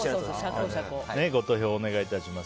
ご投票お願いします。